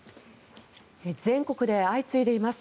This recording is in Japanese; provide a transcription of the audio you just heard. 全国で相次いでいます